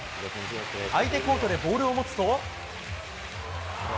相手コートでボールを持つと。